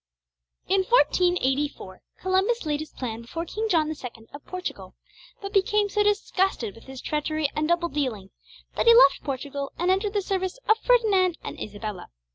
JAMES MONTGOMERY. In 1484 Columbus laid his plan before King John II, of Portugal, but became so disgusted with his treachery and double dealing, that he left Portugal and entered the service of Ferdinand and Isabella.